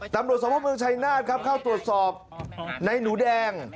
ตำรวจสมภาพเมืองชายนาฏครับเข้าตรวจสอบในหนูแดง